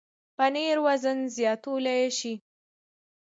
پنېر وزن زیاتولی شي.